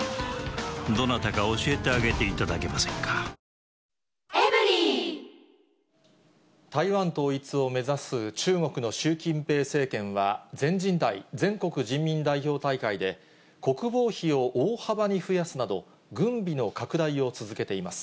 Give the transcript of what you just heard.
となれば、やっぱり高市さんの政台湾統一を目指す中国の習近平政権は、全人代・全国人民代表大会で、国防費を大幅に増やすなど、軍備の拡大を続けています。